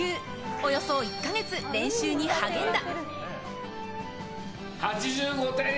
およそ１か月、練習に励んだ。